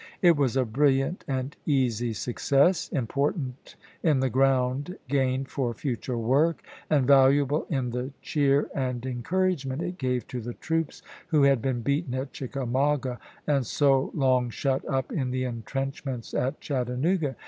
It was a brilliant and easy success, im portant in the ground gained for future work, and valuable in the cheer and encouragement it gave to the troops who had been beaten at Chickamauga and so long shut up in the intrenchments at Chat tanooga.